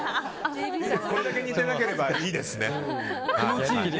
これだけ似てなければいいですね。